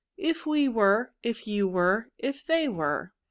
* If we were. Ifyouwjere. If they were.